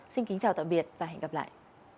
xin kính chào tạm biệt và hẹn gặp lại